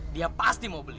dia pasti mau beli